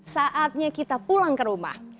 saatnya kita pulang ke rumah